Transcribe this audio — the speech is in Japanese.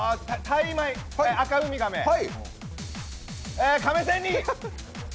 タイマイ、アカウミガメ亀仙人！